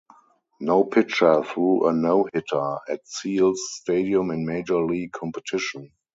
No pitcher threw a no-hitter at Seals Stadium in Major League competition.